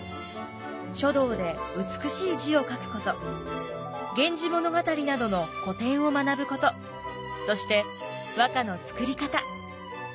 書道で美しい字を書くこと「源氏物語」などの古典を学ぶことそして和歌の作り方。